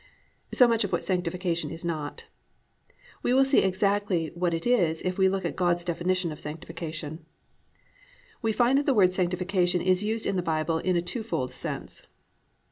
3. So much as to what Sanctification is not. We will see exactly what it is if we look at God's definition of Sanctification. We shall find that the word Sanctification is used in the Bible in a two fold sense.